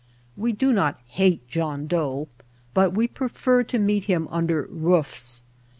We do not hate John Doe, but we prefer to meet him under roofs.